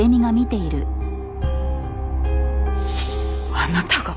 あなたが？